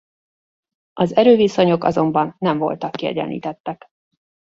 Az erőviszonyok azonban nem voltak kiegyenlítettek.